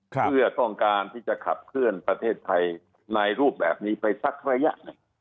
เพื่อต้องการที่จะขับเคลื่อนประเทศไทยในรูปแบบนี้ไปสักระยะหนึ่ง